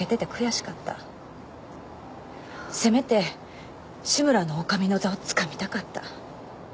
せめて志むらの女将の座をつかみたかった。